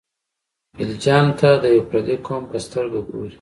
خلجیانو ته د یوه پردي قوم په سترګه ګوري.